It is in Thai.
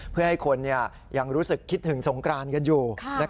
เพื่อให้คนยังรู้สึกคิดถึงสงกรานกันอยู่